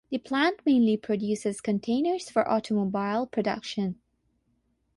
The plant mainly produces containers for automobile production.